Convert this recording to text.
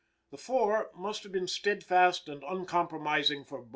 The four must have been steadfast and uncompromising for blood.